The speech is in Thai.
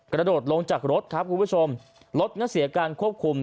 กระโดดลงจากรถครับคุณผู้ชมรถน่ะเสียการควบคุม